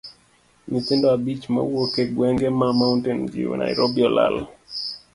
Nyithindo abich mawuok e gwenge ma mountain view Nairobi olal.